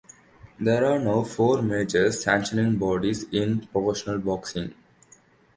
There are now four major sanctioning bodies in professional boxing.